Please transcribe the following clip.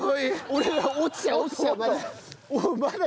俺が落ちちゃう落ちちゃうまだ。